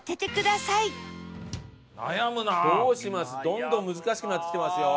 どんどん難しくなってきてますよ。